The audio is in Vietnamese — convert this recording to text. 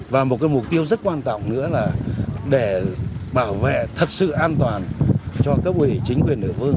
và một cái mục tiêu rất quan tọng nữa là để bảo vệ thật sự an toàn cho các bộ hệ chính quyền nữ vương